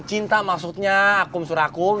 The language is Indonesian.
cinta maksudnya kum surakum